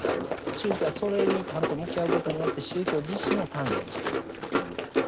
宗教はそれにちゃんと向き合うことによって宗教自身を鍛錬していくというところがあります。